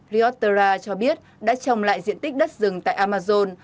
rioterra cho biết đã trồng lại diện tích đất rừng tại amazon